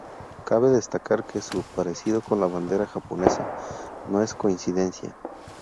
Cabe destacar que su parecido con la bandera japonesa no es coincidencia.